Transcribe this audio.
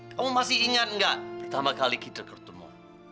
kamu masih ingat nggak pertama kali kita ketemu